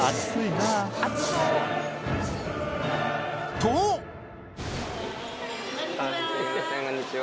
こんにちは。